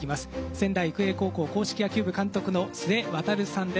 仙台育英高校硬式野球部監督の須江航さんです。